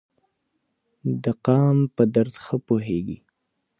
د قام په درد ښه پوهیږي.